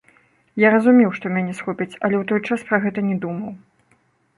Я разумеў, што мяне схопяць, але ў той час пра гэта не думаў.